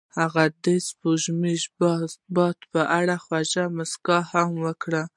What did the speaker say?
هغې د سپوږمیز باد په اړه خوږه موسکا هم وکړه.